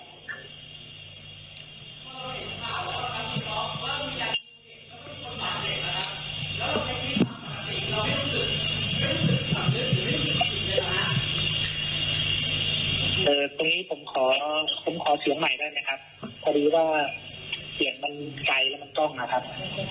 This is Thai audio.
ตรงนี้ผมขอผมขอเสียงใหม่ได้ไหมครับพอดีว่าเสียงมันไกลแล้วมันกล้องนะครับ